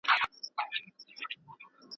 ایا استاد د شاګرد تېروتني سموي؟